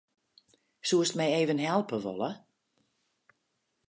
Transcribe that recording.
Soest my even helpe wolle?